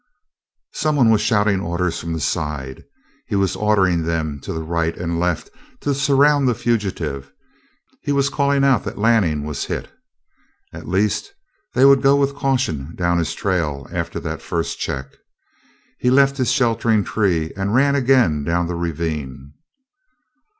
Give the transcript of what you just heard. Some one was shouting orders from the side; he was ordering them to the right and left to surround the fugitive; he was calling out that Lanning was hit. At least, they would go with caution down his trail after that first check. He left his sheltering tree and ran again down the ravine.